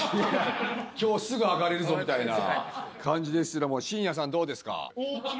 「今日すぐ上がれるぞ」みたいな感じですけどもしんやさんどうですか？